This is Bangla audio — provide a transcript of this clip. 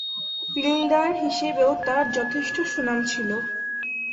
ফিল্ডার হিসেবেও তার যথেষ্ট সুনাম ছিল।